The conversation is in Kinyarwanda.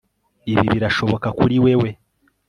Ibi birashoboka kuri wewe